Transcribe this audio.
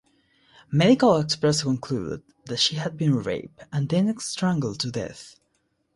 Medical experts concluded that she had been raped and then strangled to death.